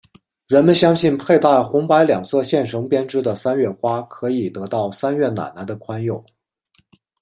人们相信佩戴红白两色线绳编织的三月花可以得到三月奶奶的宽宥。